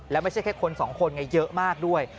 แล้วไม่ใช่แค่คนสองคนไงเยอะมากด้วย